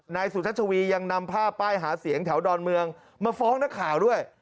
นายสุชัชวียังนำภาพป้ายหาเสียงแถวดอนเมืองมาฟ้องนักข่าวด้วย